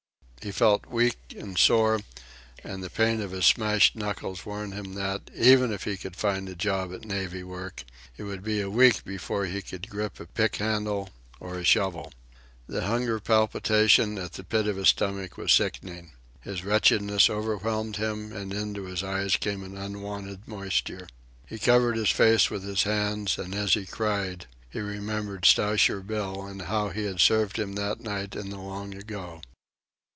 He felt weak and sore, and the pain of his smashed knuckles warned him that, even if he could find a job at navvy work, it would be a week before he could grip a pick handle or a shovel. The hunger palpitation at the pit of the stomach was sickening. His wretchedness overwhelmed him, and into his eyes came an unwonted moisture. He covered his face with his hands, and, as he cried, he remembered Stowsher Bill and how he had served him that night in the long ago.